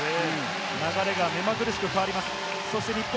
流れがめまぐるしく変わります。